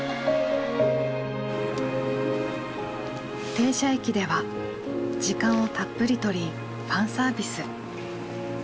停車駅では時間をたっぷり取りファンサービス。